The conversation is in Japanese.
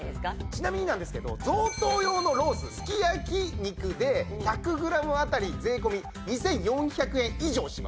ちなみになんですけど贈答用のロースすきやき肉で１００グラム当たり税込２４００円以上します。